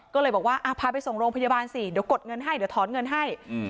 ก็เลยบอกว่าพาไปส่งโรงพยาบาลสิเดี๋ยวกดเงินให้เดี๋ยวถอนเงินให้